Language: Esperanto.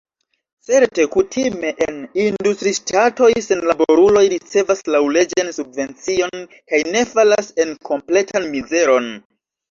Certe, kutime en industriŝtatoj senlaboruloj ricevas laŭleĝan subvencion kaj ne falas en kompletan mizeron.